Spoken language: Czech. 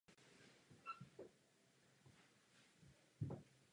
Zabýval se pozorováním meteorů a měřením magnetického pole Země.